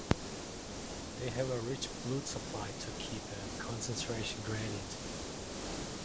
They have a rich blood supply to keep a concentration gradient.